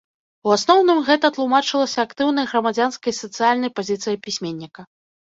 У асноўным гэта тлумачылася актыўнай грамадзянскай і сацыяльнай пазіцыяй пісьменніка.